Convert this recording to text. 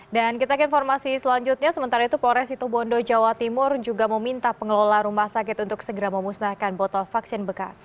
dan kita ke informasi selanjutnya sementara itu polres itobondo jawa timur juga meminta pengelola rumah sakit untuk segera memusnahkan botol vaksin bekas